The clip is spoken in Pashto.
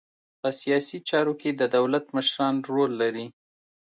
په سیاسي چارو کې د دولت مشران رول لري